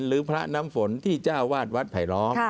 หรือพระน้ำฝนที่เจ้าวาดวัดไผลล้อม